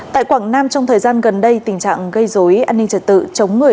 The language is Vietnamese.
tại quảng nam trong thời gian gần đây tình trạng gây dối an ninh trật tự chống người